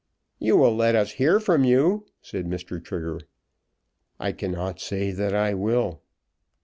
"You will let us hear from you," said Mr. Trigger. "I cannot say that I will."